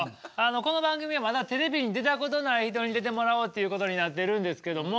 この番組はまだテレビに出たことない人に出てもらおうっていうことになってるんですけども。